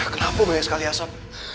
kenapa banyak sekali asap